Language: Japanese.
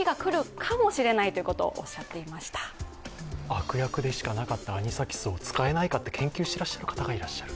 悪役でしかなかったアニサキスを使えないかと研究してらっしゃる方がいらっしゃる。